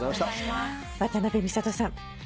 渡辺美里さん